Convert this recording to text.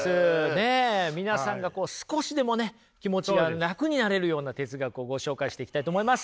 ねえ皆さんがこう少しでもね気持ちが楽になれるような哲学をご紹介していきたいと思います！